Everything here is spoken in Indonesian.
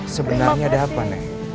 sebenarnya ada apa nek